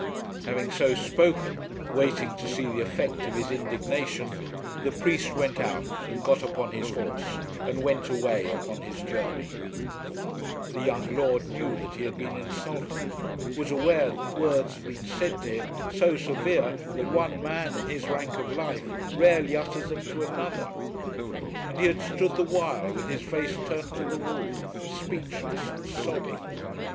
Having so spoken, waiting to see the effect of his indignation, the priest went out, and got upon his horse, and went away upon his journey. The young lord knew that he had been insulted, was aware that words had been said to him so severe that one man, in his rank of life, rarely utters them to another; and he had stood the while with his face turned to the wall speechless and sobbing!